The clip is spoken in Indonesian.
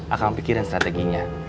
aku akan pikirin strateginya